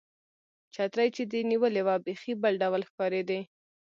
چترۍ چې دې نیولې وه، بیخي بل ډول ښکارېدې.